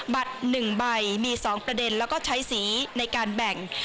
๑ใบมี๒ประเด็นแล้วก็ใช้สีในการแบ่ง